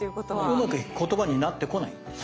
うまく言葉になってこないんですね。